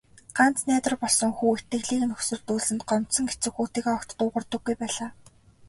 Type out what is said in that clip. Ганц найдвар болсон хүү итгэлийг нь хөсөрдүүлсэнд гомдсон эцэг хүүтэйгээ огт дуугардаггүй байлаа.